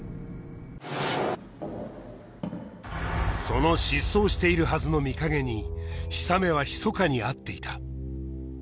その失踪しているはずの美影に氷雨はひそかに会っていた